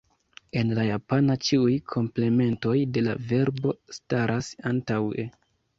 En la japana ĉiuj komplementoj de la verbo staras antaŭe.